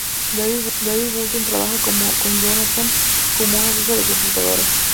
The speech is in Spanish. David Burton trabaja con Jonathan como un artista de computadoras.